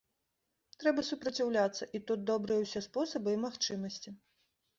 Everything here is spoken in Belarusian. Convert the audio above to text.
Трэба супраціўляцца, і тут добрыя ўсе спосабы і магчымасці.